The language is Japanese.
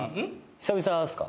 久々ですか？